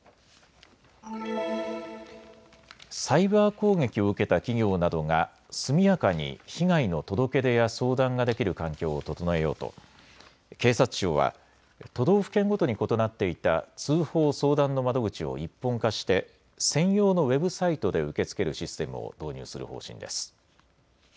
サイバー攻撃を受けた企業などが速やかに被害の届け出や相談ができる環境を整えようと警察庁は都道府県ごとに異なっていた通報相談の窓口を一本化して専用のウェブサイトで受け付けるシステムを導入する方針です。